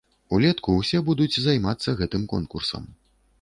Улетку ўсе будуць займацца гэтым конкурсам.